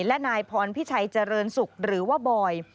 และนายพรพิชัยเจริญศุกร์หรือว่าบอย